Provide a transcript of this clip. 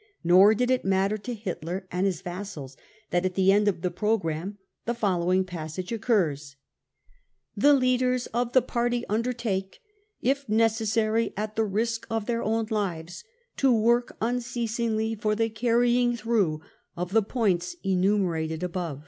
Nor did it natter to Hitler and his vassals that at the end of the programme the following passage occurs :* leaders of the party undertake, if necessary at the risk of their own lives, to work unceasingly for the carry ing through of the points enumerated above.